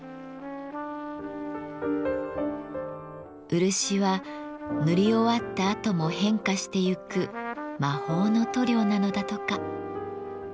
漆は塗り終わったあとも変化してゆく魔法の塗料なのだとか。